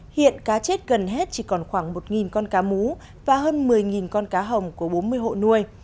hiện cá chết gần hết chỉ còn khoảng một con cá mú và hơn một mươi con cá hồng của bốn mươi hộ nuôi